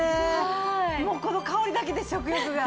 もうこの香りだけで食欲が。